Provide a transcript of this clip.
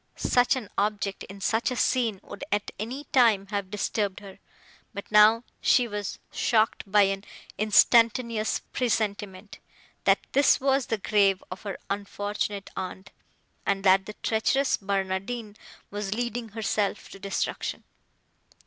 Such an object, in such a scene, would, at any time, have disturbed her; but now she was shocked by an instantaneous presentiment, that this was the grave of her unfortunate aunt, and that the treacherous Barnardine was leading herself to destruction.